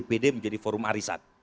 dpd menjadi forum arisan